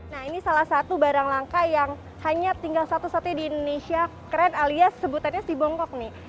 nah ini salah satu barang langka yang hanya tinggal satu satunya di indonesia keren alias sebutannya si bongkok nih